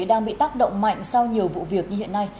đang bị tác động mạnh sau nhiều vụ việc như hiện nay